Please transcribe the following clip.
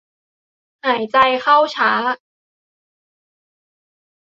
หายใจเข้าช้า